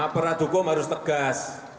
para dukung harus tegas